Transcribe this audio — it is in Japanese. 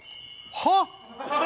はっ！？